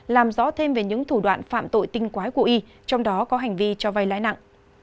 làm rõ thêm về những thủ đoạn phạm tội tinh quái của y trong đó có hành vi cho vay lãi nặng